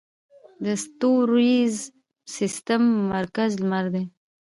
د ستوریز سیستم مرکز لمر دی